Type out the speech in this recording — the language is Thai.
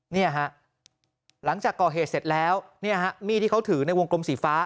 เนี่ยฮะหลังจากก่อเหตุเสร็จแล้วเนี่ยฮะมีดที่เขาถือในวงกลมสีฟ้า